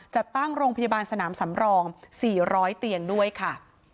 จัดตั้งโรงพยาบาลสนามสำรอง๔๐๐เตียงด้วยค่ะ